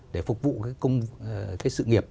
để phục vụ sự nghiệp